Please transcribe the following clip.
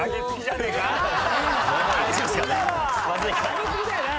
上げ過ぎだよな？